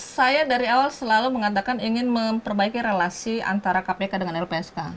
saya dari awal selalu mengatakan ingin memperbaiki relasi antara kpk dengan lpsk